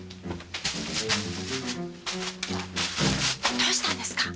どうしたんですか？